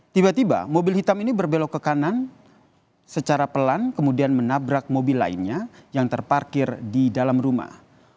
tiba tiba mobil hitam ini berbelok ke kanan secara pelan kemudian menabrak mobil lainnya yang terparkir di dalam rumah